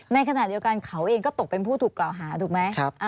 ในขณะเดียวกันเขาเองก็ตกเป็นผู้ถูกกล่าวหาถูกไหม